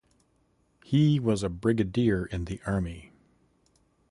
He was a Brigadier in the army.